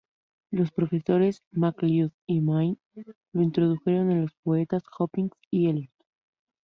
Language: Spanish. Los profesores McLeod y Mayne lo introdujeron en los poetas Hopkins y Eliot.